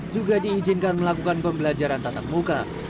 juga diizinkan melakukan pembelajaran tatamuka